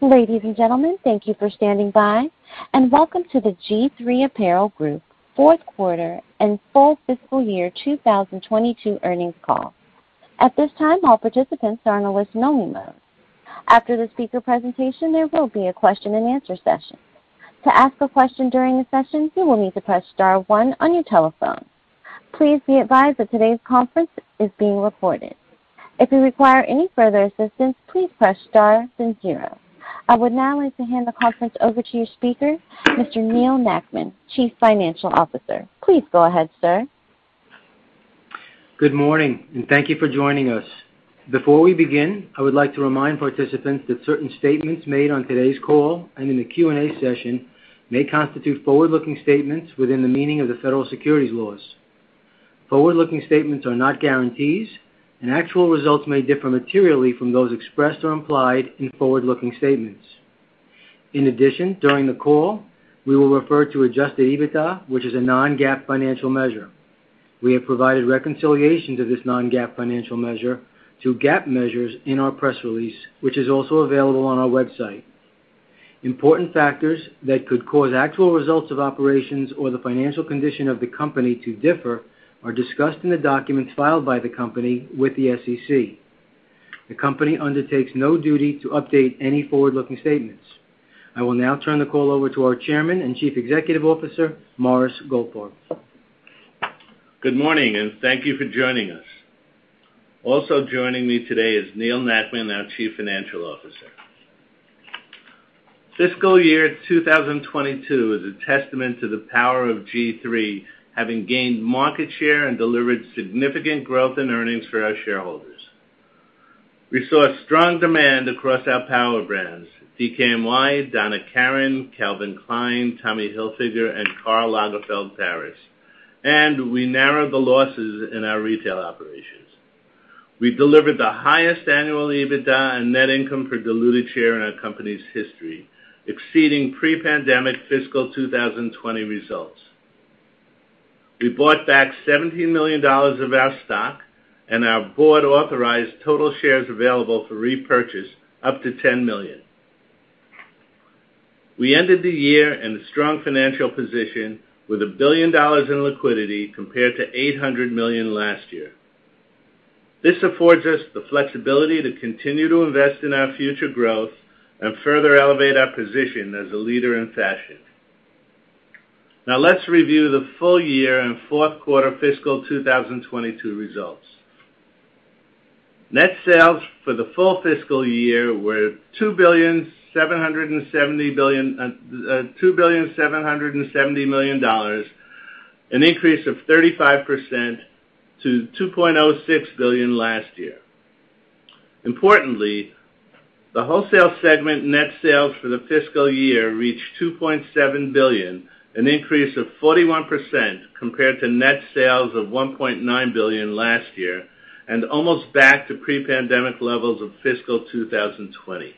Ladies and gentlemen, thank you for standing by, and welcome to the G-III Apparel Group fourth quarter and full fiscal year 2022 earnings call. At this time, all participants are in a listen-only mode. After the speaker presentation, there will be a question-and-answer session. To ask a question during the session, you will need to press star one on your telephone. Please be advised that today's conference is being recorded. If you require any further assistance, please press star then zero. I would now like to hand the conference over to your speaker, Mr. Neal Nackman, Chief Financial Officer. Please go ahead, sir. Good morning, and thank you for joining us. Before we begin, I would like to remind participants that certain statements made on today's call and in the Q&A session may constitute forward-looking statements within the meaning of the federal securities laws. Forward-looking statements are not guarantees, and actual results may differ materially from those expressed or implied in forward-looking statements. In addition, during the call, we will refer to Adjusted EBITDA, which is a non-GAAP financial measure. We have provided reconciliation to this non-GAAP financial measure to GAAP measures in our press release, which is also available on our website. Important factors that could cause actual results of operations or the financial condition of the company to differ are discussed in the documents filed by the company with the SEC. The company undertakes no duty to update any forward-looking statements. I will now turn the call over to our Chairman and Chief Executive Officer, Morris Goldfarb. Good morning, and thank you for joining us. Also joining me today is Neal Nackman, our Chief Financial Officer. Fiscal year 2022 is a testament to the power of G-III, having gained market share and delivered significant growth in earnings for our shareholders. We saw strong demand across our power brands, DKNY, Donna Karan, Calvin Klein, Tommy Hilfiger, and Karl Lagerfeld Paris, and we narrowed the losses in our retail operations. We delivered the highest annual EBITDA and net income for diluted share in our company's history, exceeding pre-pandemic fiscal 2020 results. We bought back $17 million of our stock, and our board authorized total shares available for repurchase up to 10 million. We ended the year in a strong financial position with $1 billion in liquidity compared to $800 million last year. This affords us the flexibility to continue to invest in our future growth and further elevate our position as a leader in fashion. Now let's review the full year and fourth quarter fiscal 2022 results. Net sales for the full fiscal year were $2.77 billion, an increase of 35% from $2.06 billion last year. Importantly, the wholesale segment net sales for the fiscal year reached $2.7 billion, an increase of 41% compared to net sales of $1.9 billion last year and almost back to pre-pandemic levels of fiscal 2020.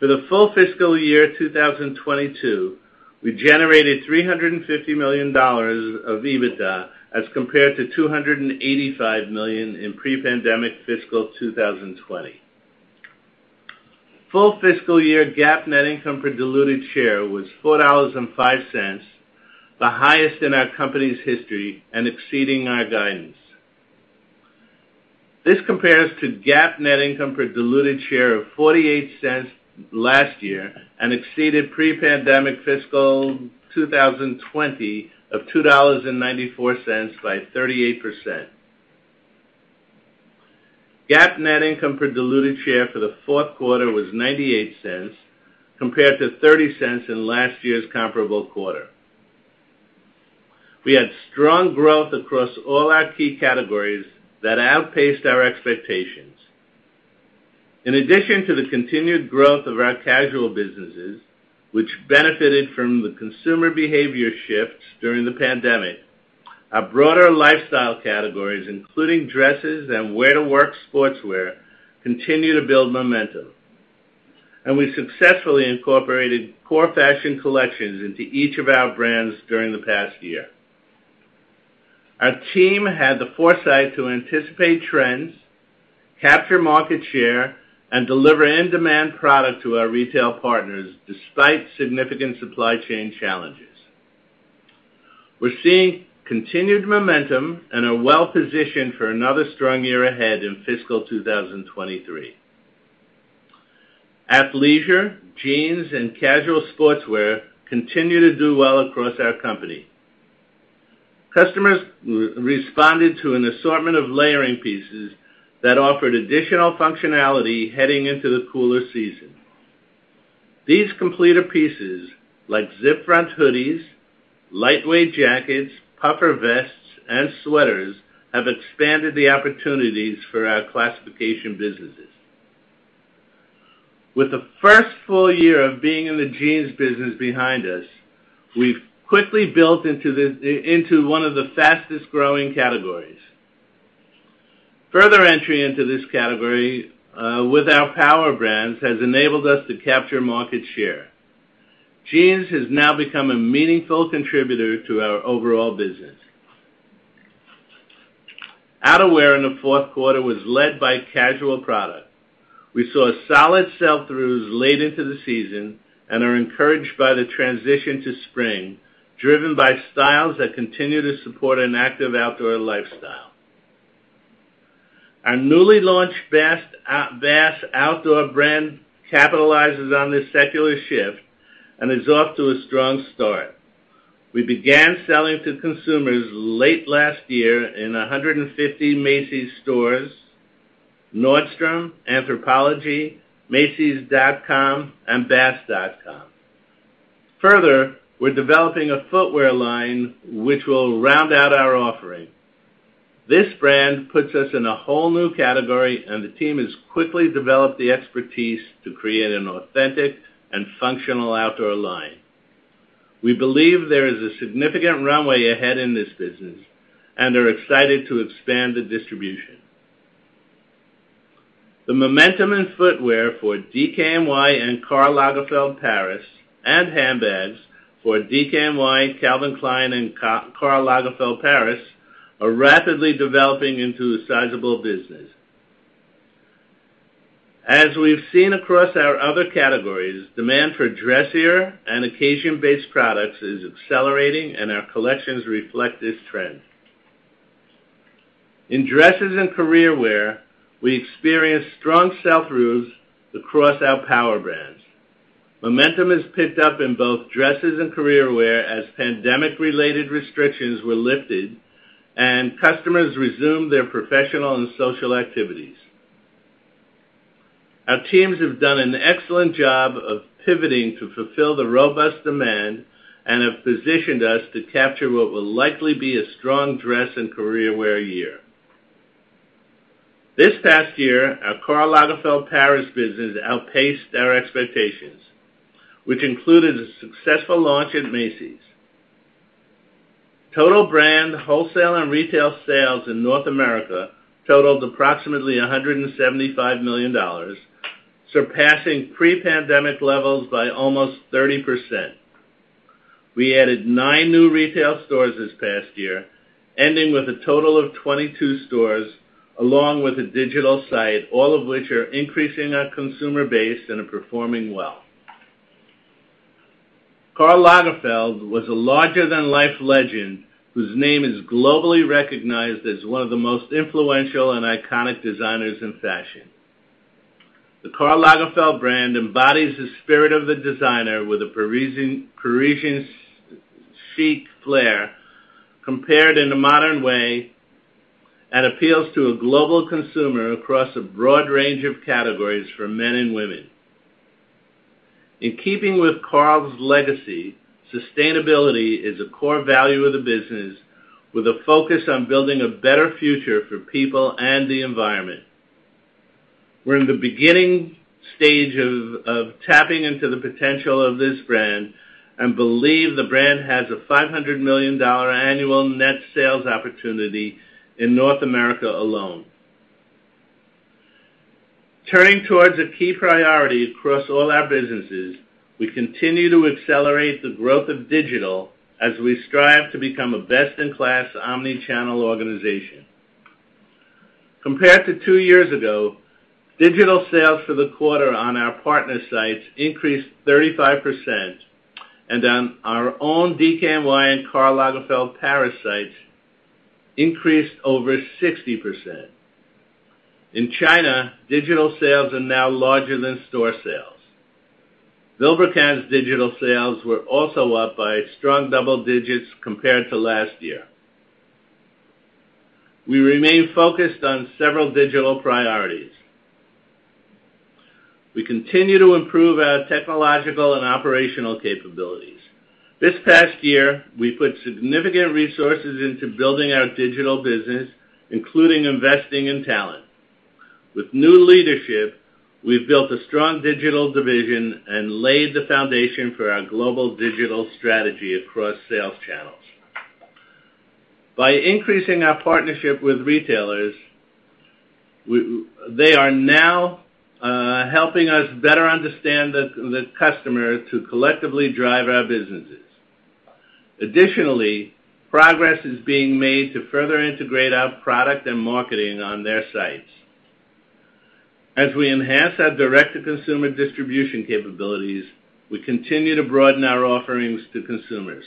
For the full fiscal year 2022, we generated $350 million of EBITDA as compared to $285 million in pre-pandemic fiscal 2020. Full fiscal year GAAP net income per diluted share was $4.05, the highest in our company's history and exceeding our guidance. This compares to GAAP net income per diluted share of $0.48 last year and exceeded pre-pandemic fiscal 2020 of $2.94 by 38%. GAAP net income per diluted share for the fourth quarter was $0.98 compared to $0.30 in last year's comparable quarter. We had strong growth across all our key categories that outpaced our expectations. In addition to the continued growth of our casual businesses, which benefited from the consumer behavior shifts during the pandemic, our broader lifestyle categories, including dresses and wear-to-work sportswear, continue to build momentum. We successfully incorporated core fashion collections into each of our brands during the past year. Our team had the foresight to anticipate trends, capture market share, and deliver in-demand product to our retail partners despite significant supply chain challenges. We're seeing continued momentum and are well-positioned for another strong year ahead in fiscal 2023. Athleisure, jeans, and casual sportswear continue to do well across our company. Customers responded to an assortment of layering pieces that offered additional functionality heading into the cooler season. These completer pieces like zip-front hoodies, lightweight jackets, puffer vests, and sweaters have expanded the opportunities for our classification businesses. With the first full year of being in the jeans business behind us, we've quickly built into one of the fastest-growing categories. Further entry into this category with our power brands has enabled us to capture market share. Jeans has now become a meaningful contributor to our overall business. Outerwear in the fourth quarter was led by casual product. We saw solid sell-throughs late into the season and are encouraged by the transition to spring, driven by styles that continue to support an active outdoor lifestyle. Our newly launched Bass Outdoor brand capitalizes on this secular shift and is off to a strong start. We began selling to consumers late last year in 150 Macy's stores, Nordstrom, Anthropologie, macys.com, and bass.com. Further, we're developing a footwear line which will round out our offering. This brand puts us in a whole new category, and the team has quickly developed the expertise to create an authentic and functional outdoor line. We believe there is a significant runway ahead in this business and are excited to expand the distribution. The momentum in footwear for DKNY and Karl Lagerfeld Paris, and handbags for DKNY, Calvin Klein, and Karl Lagerfeld Paris are rapidly developing into a sizable business. As we've seen across our other categories, demand for dressier and occasion-based products is accelerating, and our collections reflect this trend. In dresses and career wear, we experienced strong sell-throughs across our power brands. Momentum has picked up in both dresses and career wear as pandemic-related restrictions were lifted and customers resumed their professional and social activities. Our teams have done an excellent job of pivoting to fulfill the robust demand and have positioned us to capture what will likely be a strong dress and career wear year. This past year, our Karl Lagerfeld Paris business outpaced our expectations, which included a successful launch at Macy's. Total brand wholesale and retail sales in North America totaled approximately $175 million, surpassing pre-pandemic levels by almost 30%. We added nine new retail stores this past year, ending with a total of 22 stores, along with a digital site, all of which are increasing our consumer base and are performing well. Karl Lagerfeld was a larger-than-life legend whose name is globally recognized as one of the most influential and iconic designers in fashion. The Karl Lagerfeld brand embodies the spirit of the designer with a Parisian chic flair captured in a modern way and appeals to a global consumer across a broad range of categories for men and women. In keeping with Karl's legacy, sustainability is a core value of the business with a focus on building a better future for people and the environment. We're in the beginning stage of tapping into the potential of this brand and believe the brand has a $500 million annual net sales opportunity in North America alone. Turning towards a key priority across all our businesses, we continue to accelerate the growth of digital as we strive to become a best-in-class omnichannel organization. Compared to two years ago, digital sales for the quarter on our partner sites increased 35% and on our own DKNY and Karl Lagerfeld Paris sites increased over 60%. In China, digital sales are now larger than store sales. Vilebrequin's digital sales were also up by strong double digits compared to last year. We remain focused on several digital priorities. We continue to improve our technological and operational capabilities. This past year, we put significant resources into building our digital business, including investing in talent. With new leadership, we've built a strong digital division and laid the foundation for our global digital strategy across sales channels. By increasing our partnership with retailers, they are now helping us better understand the customer to collectively drive our businesses. Additionally, progress is being made to further integrate our product and marketing on their sites. As we enhance our direct-to-consumer distribution capabilities, we continue to broaden our offerings to consumers.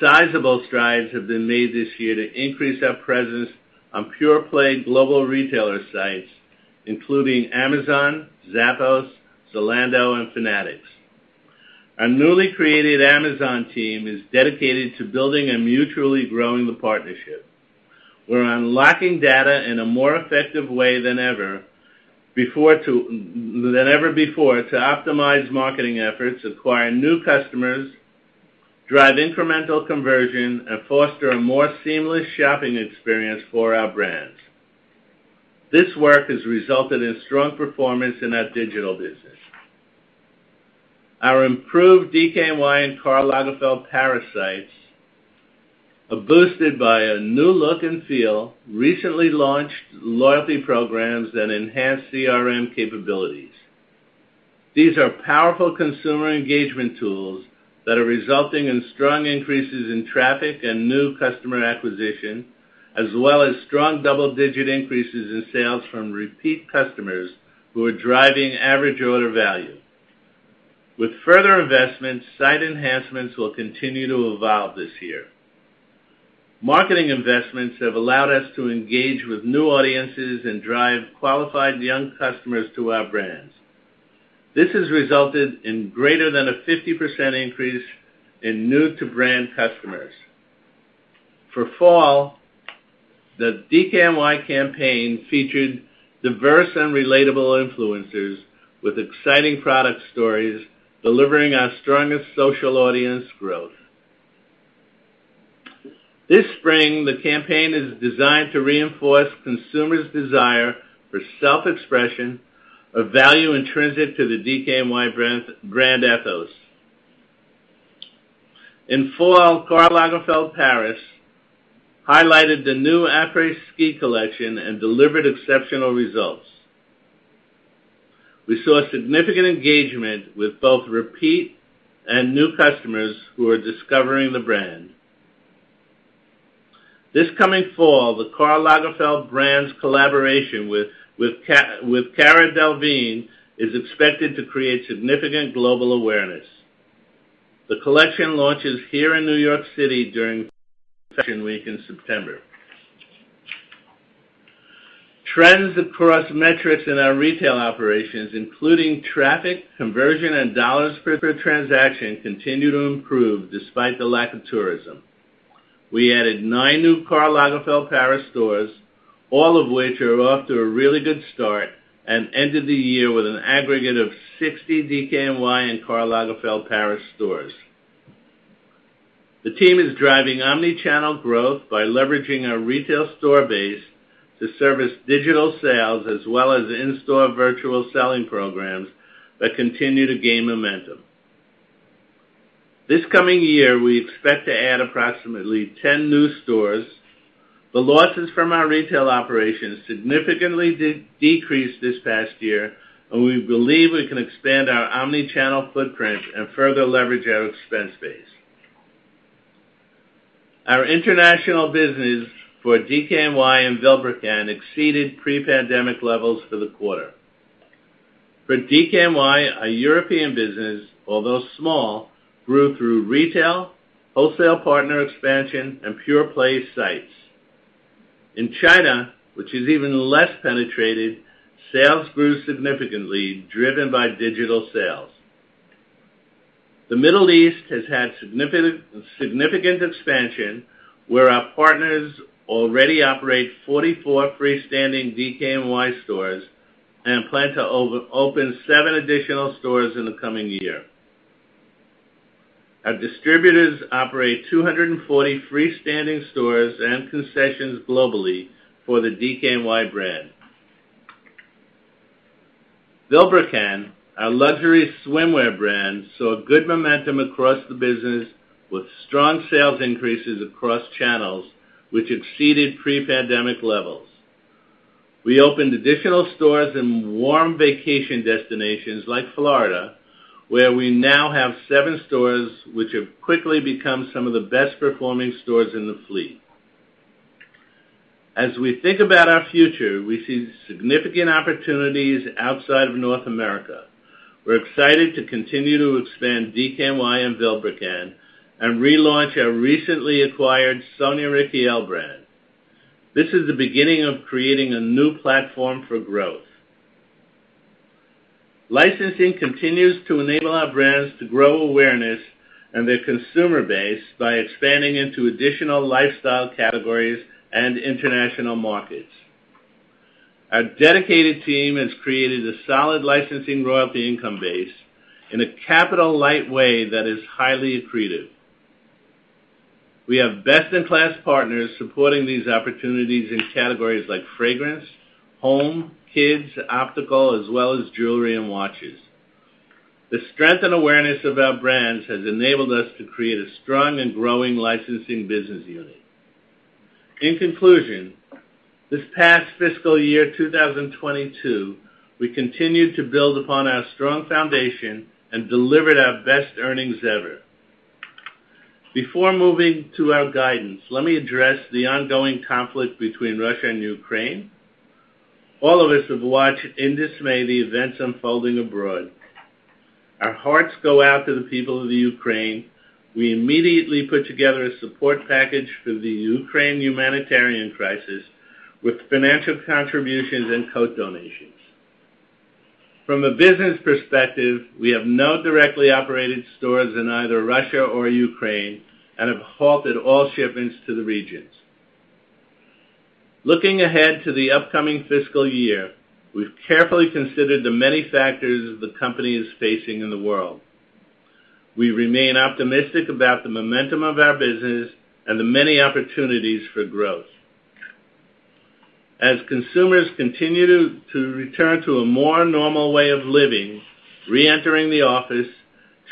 Sizable strides have been made this year to increase our presence on pure-play global retailer sites, including Amazon, Zappos, Zalando, and Fanatics. Our newly created Amazon team is dedicated to building and mutually growing the partnership. We're unlocking data in a more effective way than ever before to optimize marketing efforts, acquire new customers, drive incremental conversion, and foster a more seamless shopping experience for our brands. This work has resulted in strong performance in our digital business. Our improved DKNY and Karl Lagerfeld Paris sites are boosted by a new look and feel, recently launched loyalty programs, and enhanced CRM capabilities. These are powerful consumer engagement tools that are resulting in strong increases in traffic and new customer acquisition, as well as strong double-digit increases in sales from repeat customers who are driving average order value. With further investments, site enhancements will continue to evolve this year. Marketing investments have allowed us to engage with new audiences and drive qualified young customers to our brands. This has resulted in greater than a 50% increase in new to brand customers. For fall, the DKNY campaign featured diverse and relatable influencers with exciting product stories, delivering our strongest social audience growth. This spring, the campaign is designed to reinforce consumers' desire for self-expression, a value intrinsic to the DKNY brand ethos. In fall, Karl Lagerfeld Paris highlighted the new après-ski collection and delivered exceptional results. We saw significant engagement with both repeat and new customers who are discovering the brand. This coming fall, the Karl Lagerfeld brand's collaboration with Cara Delevingne is expected to create significant global awareness. The collection launches here in New York City during fashion week in September. Trends across metrics in our retail operations, including traffic, conversion, and dollars per transaction, continue to improve despite the lack of tourism. We added nine new Karl Lagerfeld Paris stores, all of which are off to a really good start, and ended the year with an aggregate of 60 DKNY and Karl Lagerfeld Paris stores. The team is driving omni-channel growth by leveraging our retail store base to service digital sales as well as in-store virtual selling programs that continue to gain momentum. This coming year, we expect to add approximately 10 new stores. The losses from our retail operations significantly decreased this past year, and we believe we can expand our omni-channel footprint and further leverage our expense base. Our international business for DKNY and Vilebrequin exceeded pre-pandemic levels for the quarter. For DKNY, our European business, although small, grew through retail, wholesale partner expansion, and pure-play sites. In China, which is even less penetrated, sales grew significantly, driven by digital sales. The Middle East has had significant expansion, where our partners already operate 44 freestanding DKNY stores and plan to open seven additional stores in the coming year. Our distributors operate 240 freestanding stores and concessions globally for the DKNY brand. Vilebrequin, our luxury swimwear brand, saw good momentum across the business with strong sales increases across channels, which exceeded pre-pandemic levels. We opened additional stores in warm vacation destinations like Florida, where we now have seven stores, which have quickly become some of the best-performing stores in the fleet. As we think about our future, we see significant opportunities outside of North America. We're excited to continue to expand DKNY and Vilebrequin and relaunch our recently acquired Sonia Rykiel brand. This is the beginning of creating a new platform for growth. Licensing continues to enable our brands to grow awareness and their consumer base by expanding into additional lifestyle categories and international markets. Our dedicated team has created a solid licensing royalty income base in a capital-light way that is highly accretive. We have best-in-class partners supporting these opportunities in categories like fragrance, home, kids, optical, as well as jewelry and watches. The strength and awareness of our brands has enabled us to create a strong and growing licensing business unit. In conclusion, this past fiscal year, 2022, we continued to build upon our strong foundation and delivered our best earnings ever. Before moving to our guidance, let me address the ongoing conflict between Russia and Ukraine. All of us have watched in dismay the events unfolding abroad. Our hearts go out to the people of the Ukraine. We immediately put together a support package for the Ukraine humanitarian crisis with financial contributions and coat donations. From a business perspective, we have no directly operated stores in either Russia or Ukraine and have halted all shipments to the regions. Looking ahead to the upcoming fiscal year, we've carefully considered the many factors the company is facing in the world. We remain optimistic about the momentum of our business and the many opportunities for growth. As consumers continue to return to a more normal way of living, reentering the office,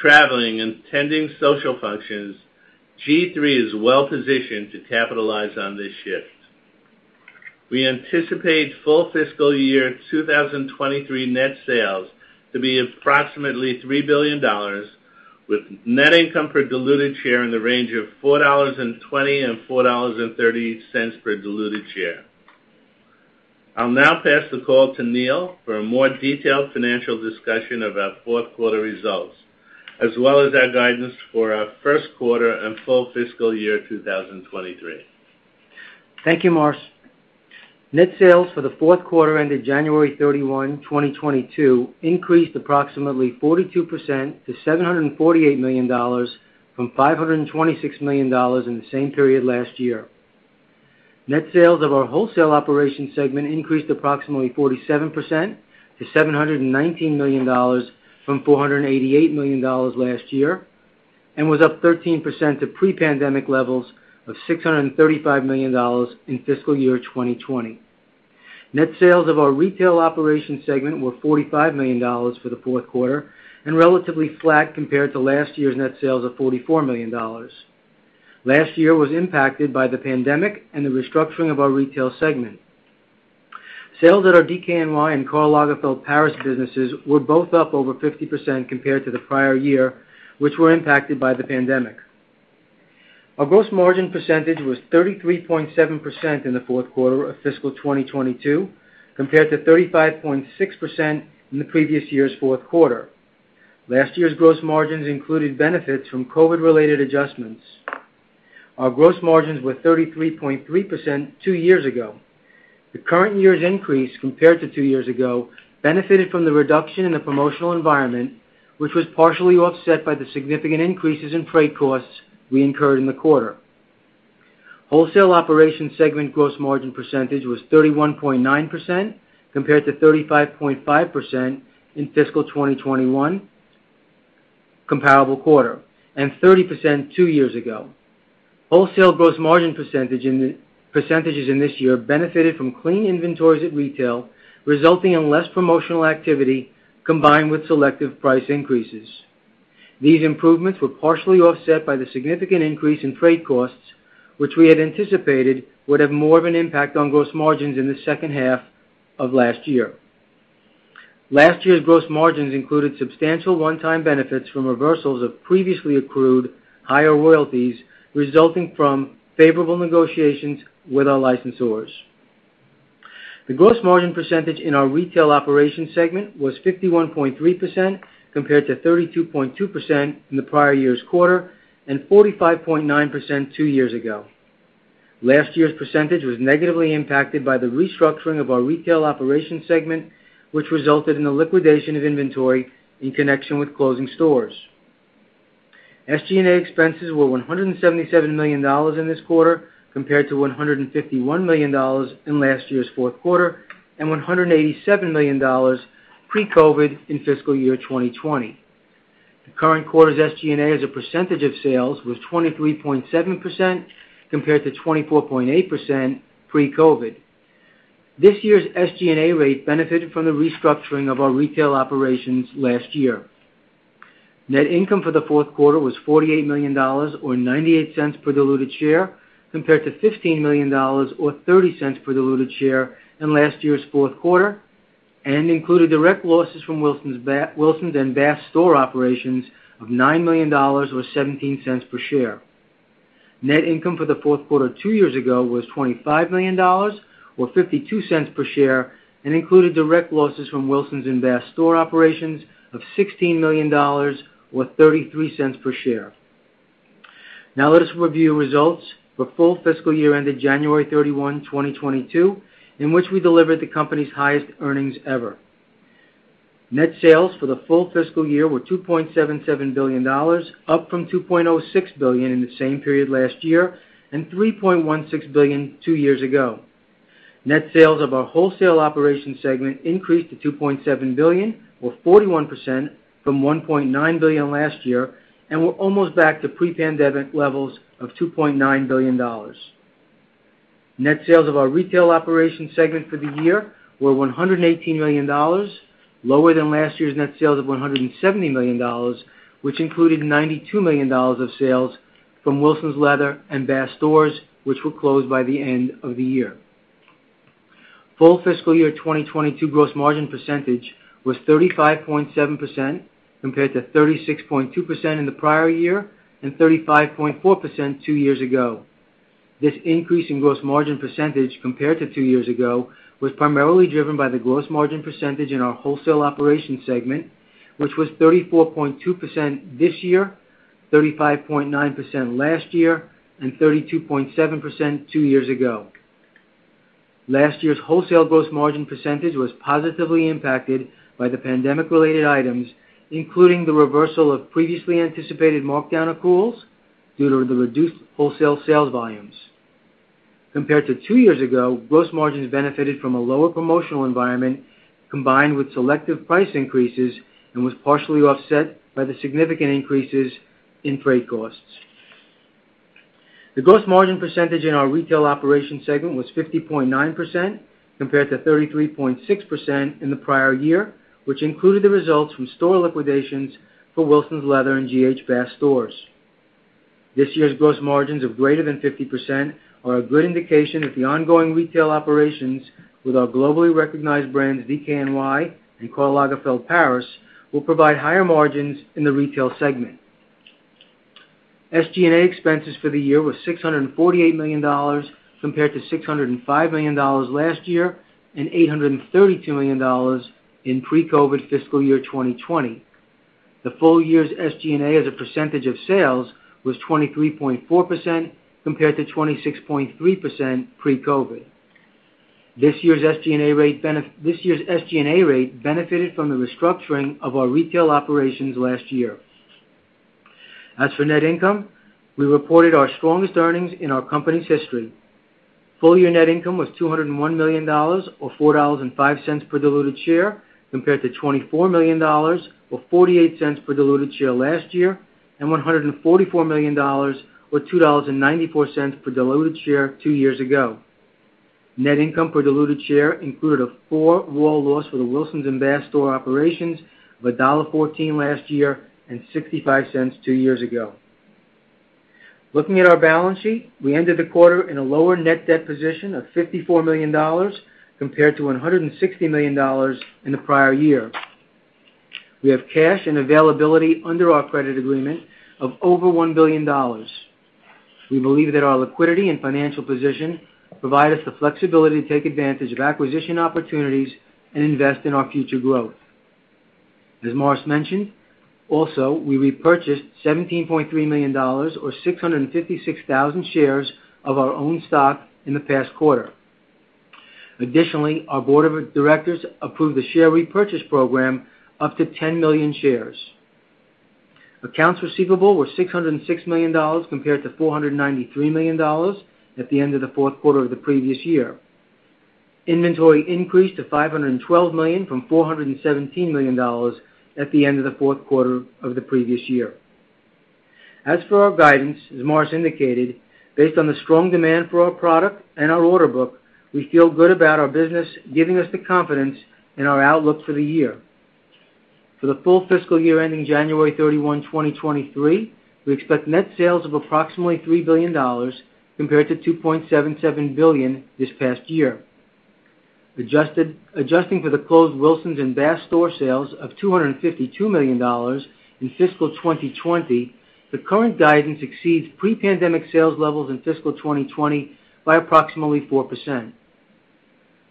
traveling, and attending social functions, G-III is well-positioned to capitalize on this shift. We anticipate full fiscal year 2023 net sales to be approximately $3 billion, with net income per diluted share in the range of $4.20-$4.30 per diluted share. I'll now pass the call to Neal for a more detailed financial discussion of our fourth quarter results, as well as our guidance for our first quarter and full fiscal year 2023. Thank you, Morris. Net sales for the fourth quarter ended January 31, 2022 increased approximately 42% to $748 million from $526 million in the same period last year. Net sales of our wholesale operation segment increased approximately 47% to $719 million from $488 million last year, and was up 13% to pre-pandemic levels of $635 million in fiscal year 2020. Net sales of our retail operation segment were $45 million for the fourth quarter and relatively flat compared to last year's net sales of $44 million. Last year was impacted by the pandemic and the restructuring of our retail segment. Sales at our DKNY and Karl Lagerfeld Paris businesses were both up over 50% compared to the prior year, which were impacted by the pandemic. Our gross margin percentage was 33.7% in the fourth quarter of fiscal 2022, compared to 35.6% in the previous year's fourth quarter. Last year's gross margins included benefits from COVID-related adjustments. Our gross margins were 33.3% two years ago. The current year's increase, compared to two years ago, benefited from the reduction in the promotional environment, which was partially offset by the significant increases in freight costs we incurred in the quarter. Wholesale operation segment gross margin percentage was 31.9% compared to 35.5% in fiscal 2021 comparable quarter, and 30% two years ago. Wholesale gross margin percentages in this year benefited from clean inventories at retail, resulting in less promotional activity combined with selective price increases. These improvements were partially offset by the significant increase in freight costs, which we had anticipated would have more of an impact on gross margins in the second half of last year. Last year's gross margins included substantial one-time benefits from reversals of previously accrued higher royalties, resulting from favorable negotiations with our licensors. The gross margin percentage in our retail operation segment was 51.3% compared to 32.2% in the prior year's quarter, and 45.9% two years ago. Last year's percentage was negatively impacted by the restructuring of our retail operation segment, which resulted in the liquidation of inventory in connection with closing stores. SG&A expenses were $177 million in this quarter, compared to $151 million in last year's fourth quarter, and $187 million pre-COVID in fiscal year 2020. The current quarter's SG&A as a percentage of sales was 23.7% compared to 24.8% pre-COVID. This year's SG&A rate benefited from the restructuring of our retail operations last year. Net income for the fourth quarter was $48 million or $0.98 per diluted share, compared to $15 million or $0.30 per diluted share in last year's fourth quarter, and included direct losses from Wilson's and Bass store operations of $9 million or $0.17 per share. Net income for the fourth quarter two years ago was $25 million or $0.52 per share, and included direct losses from Wilsons and Bass store operations of $16 million or $0.33 per share. Now let us review results for full fiscal year ended January 31, 2022, in which we delivered the company's highest earnings ever. Net sales for the full fiscal year were $2.77 billion, up from $2.06 billion in the same period last year, and $3.16 billion two years ago. Net sales of our wholesale operation segment increased to $2.7 billion or 41% from $1.9 billion last year, and were almost back to pre-pandemic levels of $2.9 billion. Net sales of our retail operation segment for the year were $118 million, lower than last year's net sales of $170 million, which included $92 million of sales from Wilsons Leather and Bass stores, which were closed by the end of the year. Full fiscal year 2022 gross margin percentage was 35.7% compared to 36.2% in the prior year and 35.4% two years ago. This increase in gross margin percentage compared to two years ago was primarily driven by the gross margin percentage in our wholesale operation segment, which was 34.2% this year, 35.9% last year, and 32.7% two years ago. Last year's wholesale gross margin percentage was positively impacted by the pandemic-related items, including the reversal of previously anticipated markdown accruals due to the reduced wholesale sales volumes. Compared to two years ago, gross margins benefited from a lower promotional environment combined with selective price increases and was partially offset by the significant increases in freight costs. The gross margin percentage in our retail operation segment was 50.9% compared to 33.6% in the prior year, which included the results from store liquidations for Wilsons Leather and G.H. Bass stores. This year's gross margins of greater than 50% are a good indication that the ongoing retail operations with our globally recognized brands, DKNY and Karl Lagerfeld Paris, will provide higher margins in the retail segment. SG&A expenses for the year was $648 million compared to $605 million last year and $832 million in pre-COVID fiscal year 2020. The full year's SG&A as a percentage of sales was 23.4% compared to 26.3% pre-COVID. This year's SG&A rate benefited from the restructuring of our retail operations last year. As for net income, we reported our strongest earnings in our company's history. Full year net income was $201 million or $4.05 per diluted share compared to $24 million or $0.48 per diluted share last year, and $144 million or $2.94 per diluted share two years ago. Net income per diluted share included a $0.14 loss for the Wilsons and Bass store operations of $1.14 last year and $0.65 two years ago. Looking at our balance sheet, we ended the quarter in a lower net debt position of $54 million compared to $160 million in the prior year. We have cash and availability under our credit agreement of over $1 billion. We believe that our liquidity and financial position provide us the flexibility to take advantage of acquisition opportunities and invest in our future growth. As Morris mentioned, also, we repurchased $17.3 million or 656,000 shares of our own stock in the past quarter. Additionally, our board of directors approved a share repurchase program up to 10 million shares. Accounts receivable were $606 million compared to $493 million at the end of the fourth quarter of the previous year. Inventory increased to $512 million from $417 million at the end of the fourth quarter of the previous year. As for our guidance, as Morris indicated, based on the strong demand for our product and our order book, we feel good about our business giving us the confidence in our outlook for the year. For the full fiscal year ending January 31, 2023, we expect net sales of approximately $3 billion compared to $2.77 billion this past year. Adjusting for the closed Wilsons and Bass store sales of $252 million in fiscal 2020, the current guidance exceeds pre-pandemic sales levels in fiscal 2020 by approximately 4%.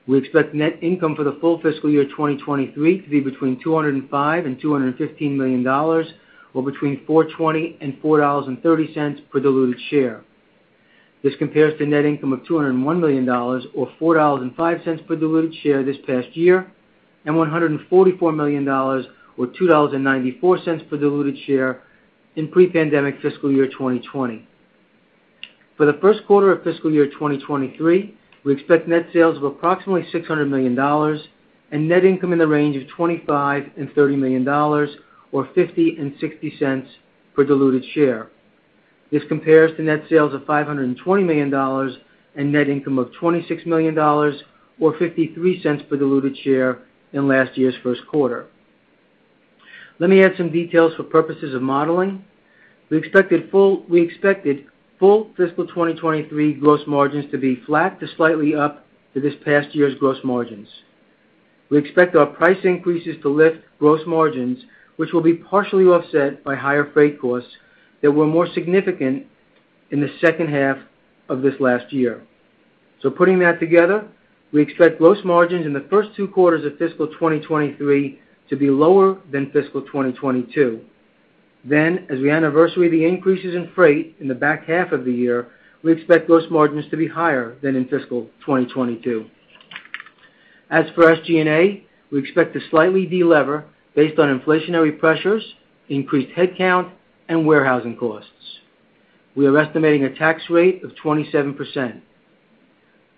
We expect net income for the full fiscal year 2023 to be between $205 million and $215 million or between $4.20 and $4.30 per diluted share. This compares to net income of $201 million or $4.05 per diluted share this past year, and $144 million or $2.94 per diluted share in pre-pandemic fiscal year 2020. For the first quarter of fiscal year 2023, we expect net sales of approximately $600 million and net income in the range of $25 million-$30 million or $0.50-$0.60 per diluted share. This compares to net sales of $520 million and net income of $26 million or $0.53 per diluted share in last year's first quarter. Let me add some details for purposes of modeling. We expected full fiscal 2023 gross margins to be flat to slightly up to this past year's gross margins. We expect our price increases to lift gross margins, which will be partially offset by higher freight costs that were more significant in the second half of this last year. Putting that together, we expect gross margins in the first two quarters of fiscal 2023 to be lower than fiscal 2022. As we anniversary the increases in freight in the back half of the year, we expect gross margins to be higher than in fiscal 2022. As for SG&A, we expect to slightly delever based on inflationary pressures, increased headcount, and warehousing costs. We are estimating a tax rate of 27%.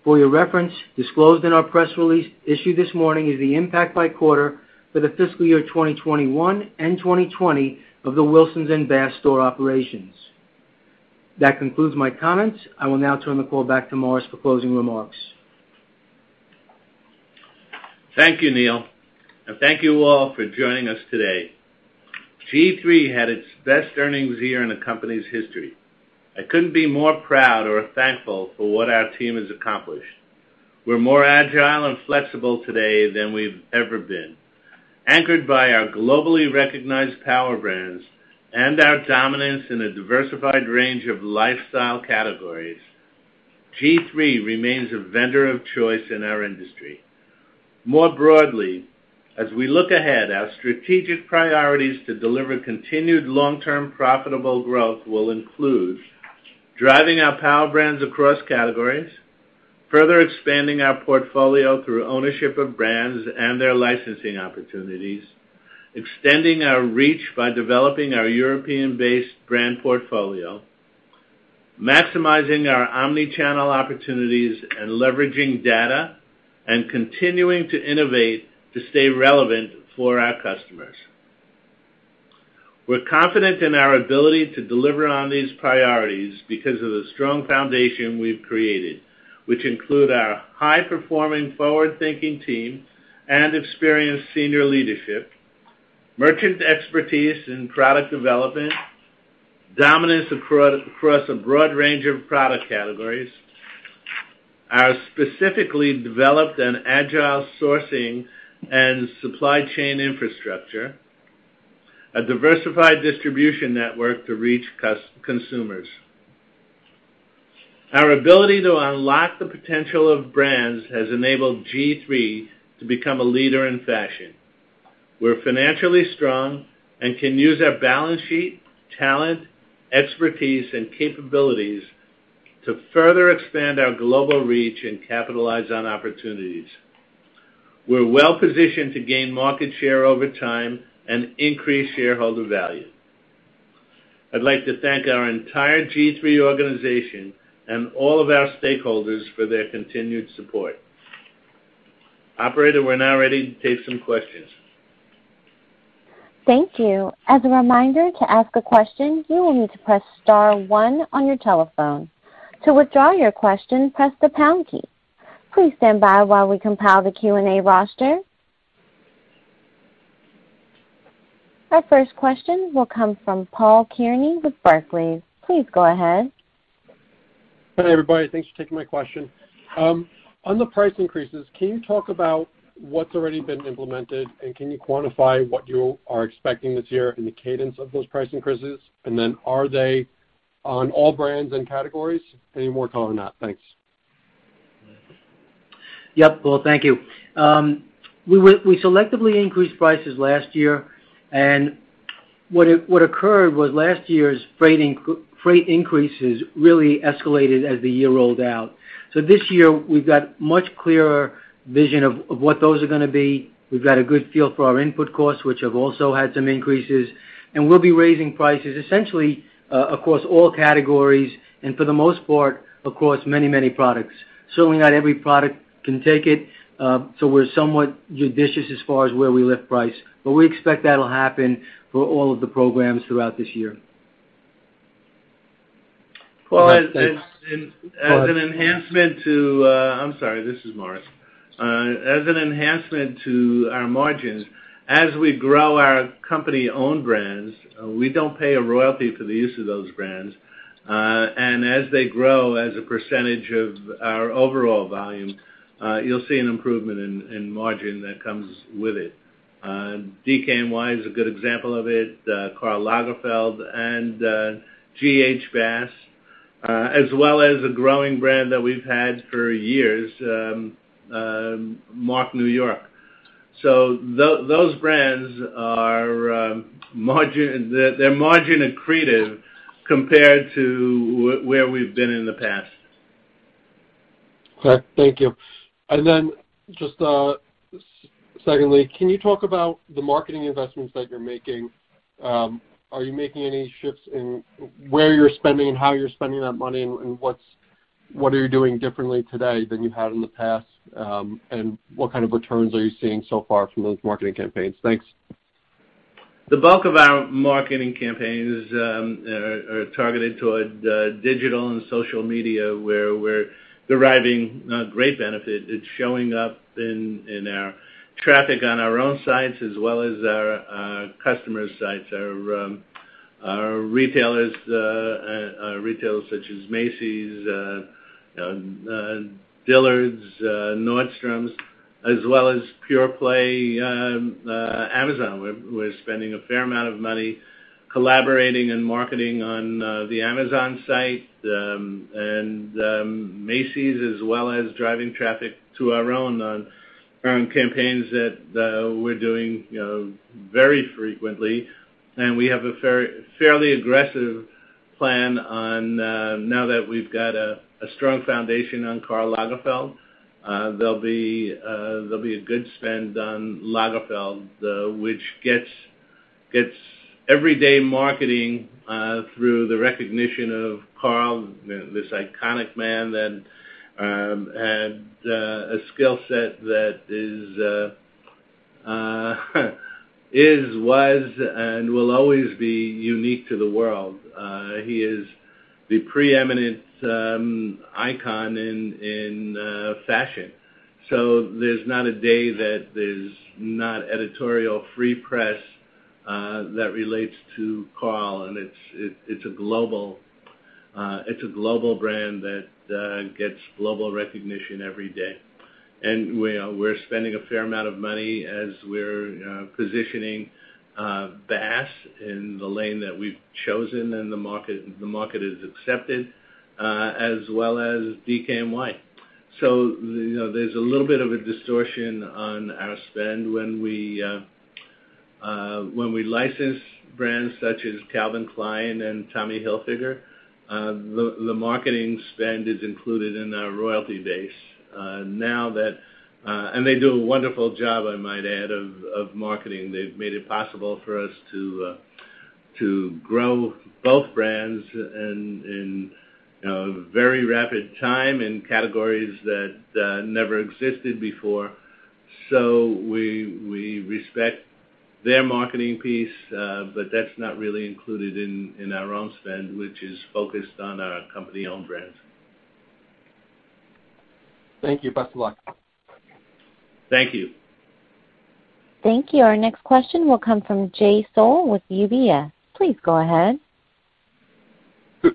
For your reference, disclosed in our press release issued this morning is the impact by quarter for the fiscal year 2021 and 2020 of the Wilsons and Bass store operations. That concludes my comments. I will now turn the call back to Morris for closing remarks. Thank you, Neal, and thank you all for joining us today. G-III had its best earnings year in the company's history. I couldn't be more proud or thankful for what our team has accomplished. We're more agile and flexible today than we've ever been. Anchored by our globally recognized power brands and our dominance in a diversified range of lifestyle categories, G-III remains a vendor of choice in our industry. More broadly, as we look ahead, our strategic priorities to deliver continued long-term profitable growth will include driving our power brands across categories, further expanding our portfolio through ownership of brands and their licensing opportunities, extending our reach by developing our European-based brand portfolio, maximizing our omni-channel opportunities and leveraging data, and continuing to innovate to stay relevant for our customers. We're confident in our ability to deliver on these priorities because of the strong foundation we've created, which include our high-performing, forward-thinking team and experienced senior leadership, merchant expertise in product development, dominance across a broad range of product categories, a specifically developed agile sourcing and supply chain infrastructure, a diversified distribution network to reach consumers. Our ability to unlock the potential of brands has enabled G-III to become a leader in fashion. We're financially strong and can use our balance sheet, talent, expertise, and capabilities to further expand our global reach and capitalize on opportunities. We're well-positioned to gain market share over time and increase shareholder value. I'd like to thank our entire G-III organization and all of our stakeholders for their continued support. Operator, we're now ready to take some questions. Thank you. As a reminder to ask a question you need to press star one on your telephone to return you question please press pound key. Please stand by while we compile the Q&A faster. Our first question will come from Paul Kearney with Barclays. Please go ahead. Hi, everybody. Thanks for taking my question. On the price increases, can you talk about what's already been implemented, and can you quantify what you are expecting this year in the cadence of those price increases? Are they on all brands and categories? Any more color on that? Thanks. Yep. Paul, thank you. We selectively increased prices last year, and what occurred was last year's freight increases really escalated as the year rolled out. This year, we've got much clearer vision of what those are gonna be. We've got a good feel for our input costs, which have also had some increases, and we'll be raising prices essentially across all categories and for the most part, across many products. Certainly not every product can take it, we're somewhat judicious as far as where we lift price, but we expect that'll happen for all of the programs throughout this year. Paul, thanks. I'm sorry, this is Morris. As an enhancement to our margins, as we grow our company-owned brands, we don't pay a royalty for the use of those brands. And as they grow as a percentage of our overall volume, you'll see an improvement in margin that comes with it. DKNY is a good example of it, Karl Lagerfeld and G.H. Bass, as well as a growing brand that we've had for years, Marc New York. Those brands are margin accretive compared to where we've been in the past. Okay. Thank you. Just secondly, can you talk about the marketing investments that you're making? Are you making any shifts in where you're spending and how you're spending that money and what are you doing differently today than you have in the past, and what kind of returns are you seeing so far from those marketing campaigns? Thanks. The bulk of our marketing campaigns are targeted toward digital and social media, where we're deriving a great benefit. It's showing up in our traffic on our own sites as well as our customers' sites, our retailers such as Macy's, Dillard's, Nordstrom as well as pure play Amazon. We're spending a fair amount of money collaborating and marketing on the Amazon site and Macy's as well as driving traffic to our own campaigns that we're doing, you know, very frequently. We have a fairly aggressive plan on, now that we've got a strong foundation on Karl Lagerfeld, there'll be a good spend on Lagerfeld, which gets everyday marketing through the recognition of Karl, this iconic man that had a skill set that is, was, and will always be unique to the world. He is the preeminent icon in fashion. There's not a day that there's not editorial free press that relates to Karl, and it's a global brand that gets global recognition every day. We are spending a fair amount of money as we're positioning Bass in the lane that we've chosen and the market has accepted, as well as DKNY. You know, there's a little bit of a distortion on our spend when we license brands such as Calvin Klein and Tommy Hilfiger. The marketing spend is included in our royalty base. They do a wonderful job, I might add, of marketing. They've made it possible for us to grow both brands in you know very rapid time in categories that never existed before. We respect their marketing piece but that's not really included in our own spend, which is focused on our company-owned brands. Thank you. Best of luck. Thank you. Thank you. Our next question will come from Jay Sole with UBS. Please go ahead.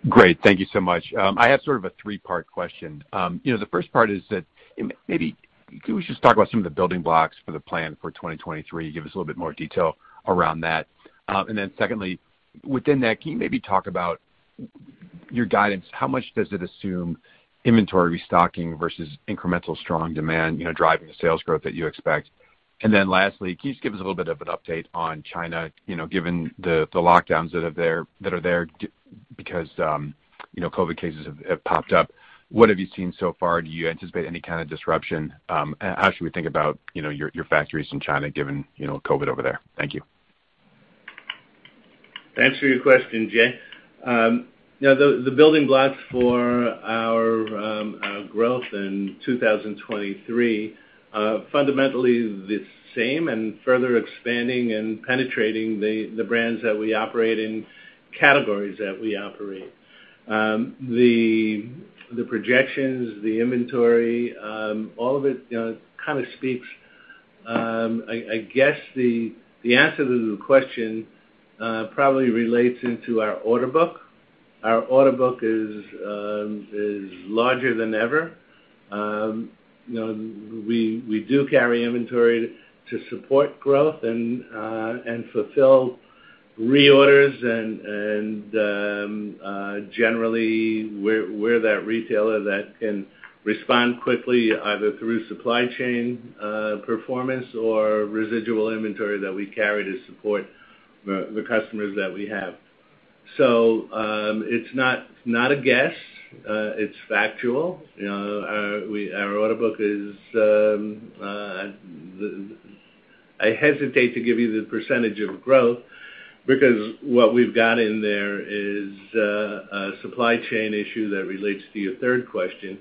Great. Thank you so much. I have sort of a three-part question. You know, the first part is that maybe can we just talk about some of the building blocks for the plan for 2023, give us a little bit more detail around that. Secondly, within that, can you maybe talk about your guidance, how much does it assume inventory restocking versus incremental strong demand, you know, driving the sales growth that you expect? Lastly, can you just give us a little bit of an update on China, you know, given the lockdowns that are there because COVID cases have popped up. What have you seen so far? Do you anticipate any kind of disruption? How should we think about, you know, your factories in China given, you know, COVID over there? Thank you. Thanks for your question, Jay. You know, the building blocks for our growth in 2023 are fundamentally the same and further expanding and penetrating the brands that we operate in, categories that we operate. The projections, the inventory, all of it, you know, kind of speaks. I guess the answer to the question probably relates into our order book. Our order book is larger than ever. You know, we do carry inventory to support growth and fulfill reorders and generally, we're that retailer that can respond quickly, either through supply chain performance or residual inventory that we carry to support the customers that we have. It's not a guess, it's factual. You know, our order book is. I hesitate to give you the percentage of growth because what we've got in there is a supply chain issue that relates to your third question.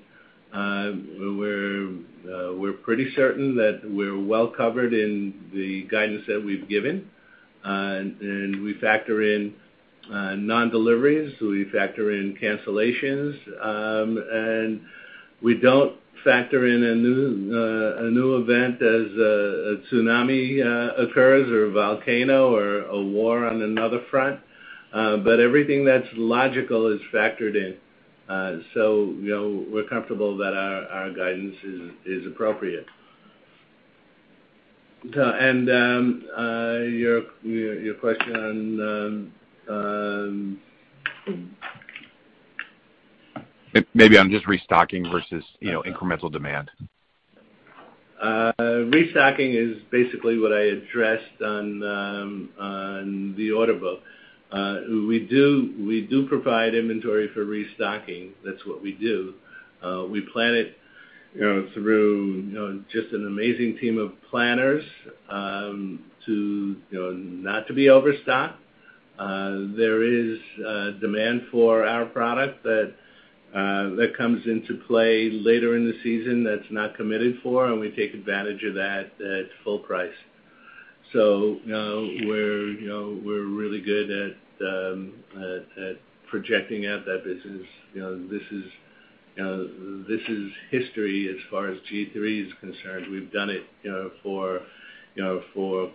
We're pretty certain that we're well covered in the guidance that we've given, and we factor in non-deliveries, we factor in cancellations, and we don't factor in a new event as a tsunami occurs or a volcano or a war on another front. Everything that's logical is factored in. You know, we're comfortable that our guidance is appropriate. Your question. Maybe on just restocking versus, you know, incremental demand. Restocking is basically what I addressed on the order book. We do provide inventory for restocking. That's what we do. We plan it, you know, through you know, just an amazing team of planners, to you know, not to be overstocked. There is demand for our product that comes into play later in the season that's not committed for, and we take advantage of that at full price. You know, we're really good at projecting out that business. You know, this is history as far as G-III is concerned. We've done it, you know, for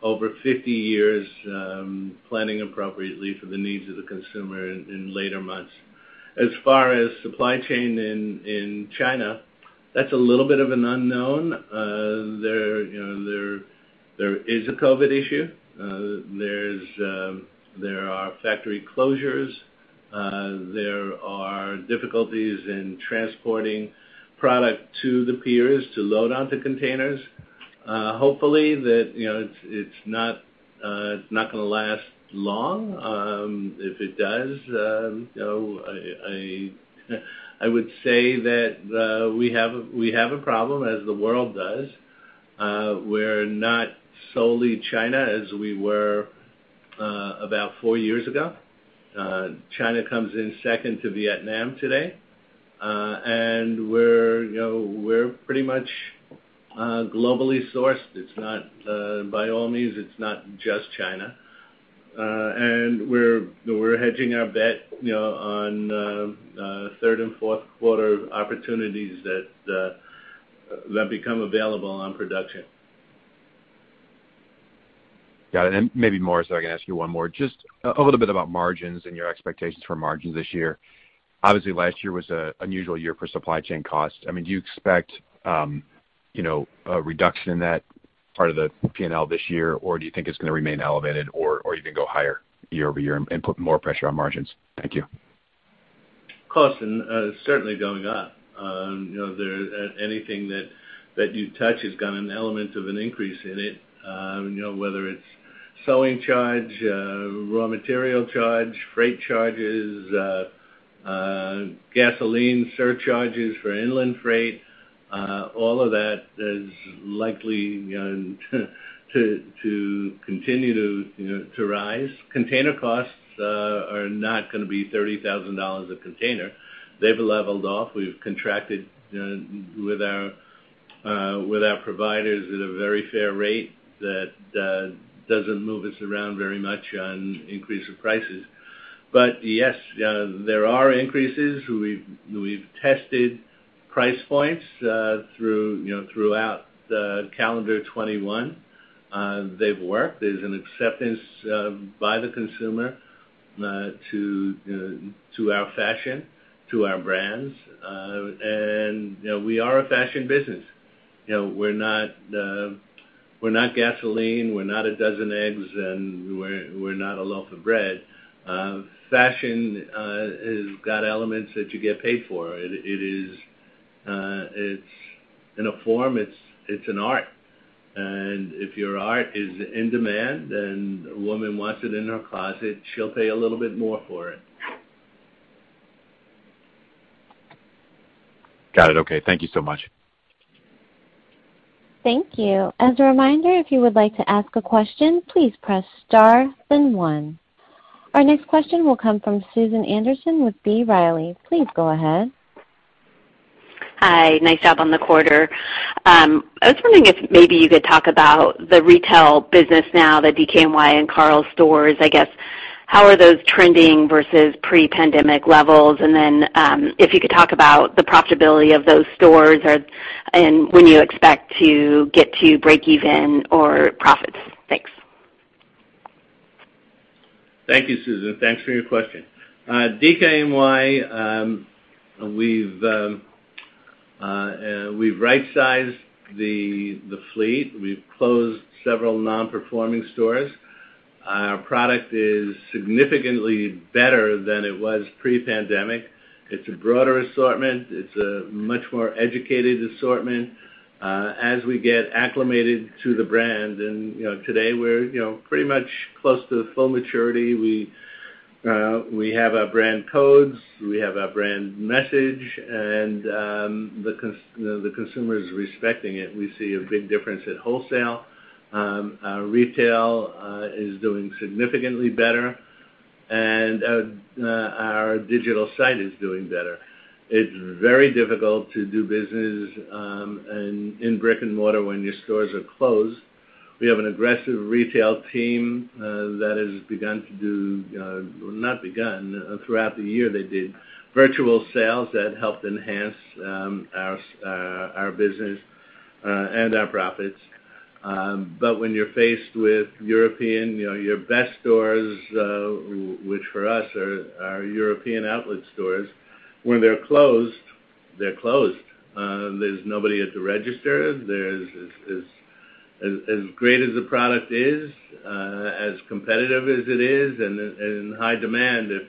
over 50 years, planning appropriately for the needs of the consumer in later months. As far as supply chain in China, that's a little bit of an unknown. You know, there is a COVID issue. There are factory closures. There are difficulties in transporting product to the piers to load onto containers. Hopefully that, you know, it's not gonna last long. If it does, you know, I would say that we have a problem as the world does. We're not solely China as we were about four years ago. China comes in second to Vietnam today. We're, you know, pretty much globally sourced. It's not, by all means, not just China. We're hedging our bet, you know, on third and fourth quarter opportunities that become available on production. Got it. Maybe more, so I can ask you one more. Just a little bit about margins and your expectations for margins this year. Obviously, last year was an unusual year for supply chain costs. I mean, do you expect, you know, a reduction in that part of the P&L this year, or do you think it's gonna remain elevated or even go higher year over year and put more pressure on margins? Thank you. Costs certainly going up. You know, anything that you touch has got an element of an increase in it, you know, whether it's sewing charge, raw material charge, freight charges, gasoline surcharges for inland freight, all of that is likely, you know, to continue to, you know, to rise. Container costs are not gonna be $30,000 a container. They've leveled off. We've contracted, you know, with our providers at a very fair rate that doesn't move us around very much on increase of prices. But yes, there are increases. We've tested price points, uh, through, you know, throughout the calendar 2021. They've worked. There's an acceptance by the consumer to our fashion, to our brands. And, you know, we are a fashion business. You know, we're not gasoline, we're not a dozen eggs, and we're not a loaf of bread. Fashion has got elements that you get paid for. It is. It's in a form. It's an art. If your art is in demand and a woman wants it in her closet, she'll pay a little bit more for it. Got it. Okay. Thank you so much. Thank you. As a reminder, if you would like to ask a question, please press star then one. Our next question will come from Susan Anderson with B. Riley. Please go ahead. Hi. Nice job on the quarter. I was wondering if maybe you could talk about the retail business now, the DKNY and Karl stores, I guess. How are those trending versus pre-pandemic levels? If you could talk about the profitability of those stores and when you expect to get to breakeven or profits. Thanks. Thank you, Susan. Thanks for your question. DKNY, we've right-sized the fleet. We've closed several non-performing stores. Our product is significantly better than it was pre-pandemic. It's a broader assortment. It's a much more educated assortment as we get acclimated to the brand. You know, today we're pretty much close to full maturity. We have our brand codes, we have our brand message, and the consumer is respecting it. We see a big difference at wholesale. Our retail is doing significantly better and our digital site is doing better. It's very difficult to do business in brick-and-mortar when your stores are closed. We have an aggressive retail team that has begun to do. Not begun, throughout the year they did virtual sales that helped enhance our business and our profits. When you're faced with European your best stores, which for us are our European outlet stores, when they're closed, they're closed. There's nobody at the register. As great as the product is, as competitive as it is and in high demand, if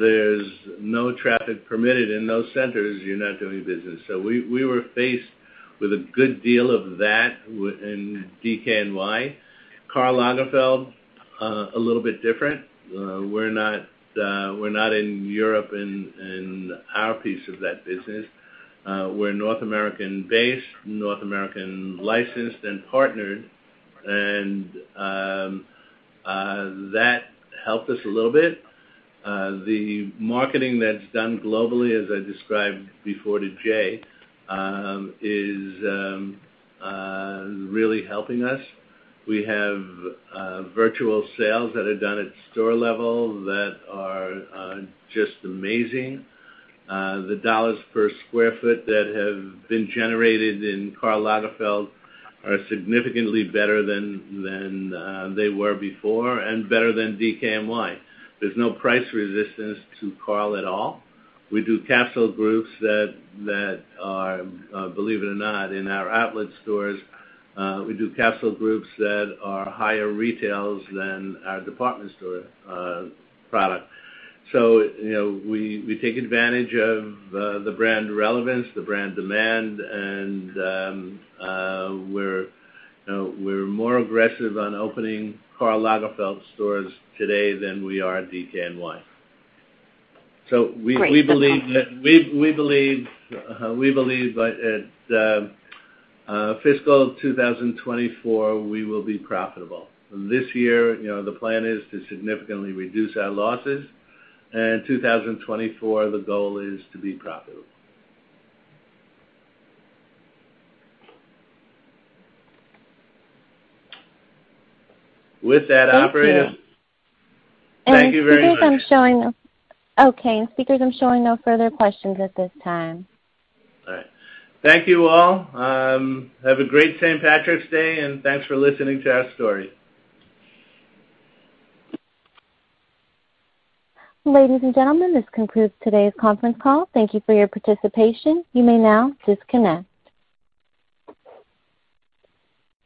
there's no traffic permitted in those centers, you're not doing business. We were faced with a good deal of that in DKNY. Karl Lagerfeld a little bit different. We're not in Europe in our piece of that business. We're North American-based, North American licensed and partnered, and that helped us a little bit. The marketing that's done globally, as I described before to Jay, is really helping us. We have virtual sales that are done at store level that are just amazing. The dollar per square feet that have been generated in Karl Lagerfeld are significantly better than they were before and better than DKNY. There's no price resistance to Karl at all. We do capsule groups that are, believe it or not, in our outlet stores. We do capsule groups that are higher retails than our department store product. You know, we take advantage of the brand relevance, the brand demand, and we're more aggressive on opening Karl Lagerfeld stores today than we are DKNY. We- Great. Okay.... we believe by fiscal 2024, we will be profitable. This year, you know, the plan is to significantly reduce our losses. In 2024, the goal is to be profitable. With that, operator. Thank you. Thank you very much. Okay, speakers, I'm showing no further questions at this time. All right. Thank you all. Have a great Saint Patrick's Day, and thanks for listening to our story. Ladies and gentlemen, this concludes today's conference call. Thank you for your participation. You may now disconnect.